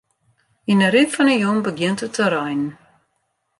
Yn 'e rin fan 'e jûn begjint it te reinen.